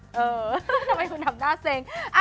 ทำไมคุณทำหน้าเซ็ง